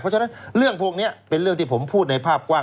เพราะฉะนั้นเรื่องพวกนี้เป็นเรื่องที่ผมพูดในภาพกว้าง